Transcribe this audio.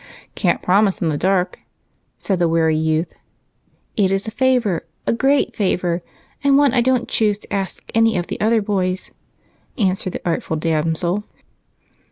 "Can't promise in the dark," said the wary youth. "It is a favor, a great favor, and one I don't choose to ask any of the other boys," answered the artful damsel.